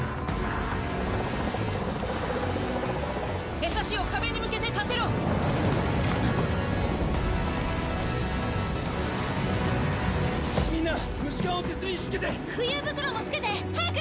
「へさきを壁に向けて立てろ」「みんな虫環を手すりにつけて」「浮遊袋もつけて早く！」